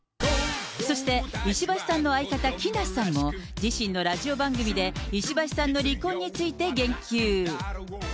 そして、石橋さんの相方、木梨さんも、自身のラジオ番組で、石橋さんの離婚について言及。